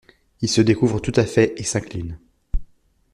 Il se découvre tout à fait et s’incline.